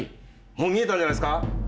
もう見えたんじゃないですか？